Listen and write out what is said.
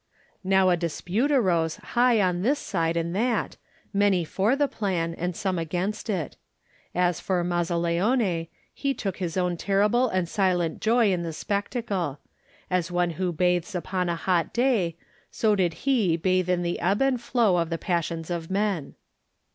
Now a dispute arose high on this side and that, many for the plan, and some against it. As for Mazzaleone, he took his own terrible and silent joy in the spectacle; as one who bathes upon a hot day, so did he bathe in the ebb and flow of the passions of men.